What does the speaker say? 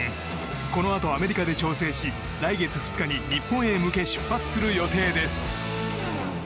このあとアメリカで調整し来月２日に日本に向け出発する予定です。